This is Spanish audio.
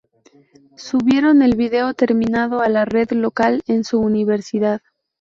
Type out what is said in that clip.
Subieron el vídeo terminado a la red local en su universidad.